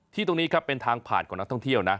ตรงนี้ครับเป็นทางผ่านของนักท่องเที่ยวนะ